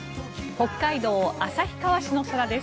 北海道旭川市の空です。